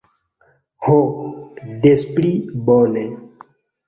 Ho, des pli bone.